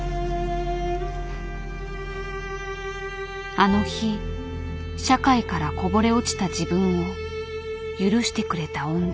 あの日社会からこぼれ落ちた自分を許してくれた恩人。